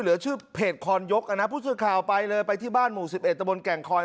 เหลือชื่อเพจคอนยกอ่ะนะผู้สื่อข่าวไปเลยไปที่บ้านหมู่๑๑ตะบนแก่งคอย